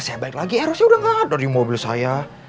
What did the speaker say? saya balik lagi erasnya udah gak ada di mobil saya